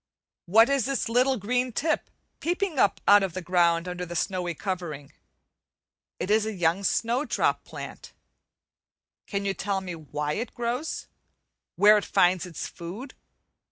What is this little green tip peeping up out of the ground under the snowy covering? It is a young snowdrop plant. Can you tell me why it grows? where it finds its food?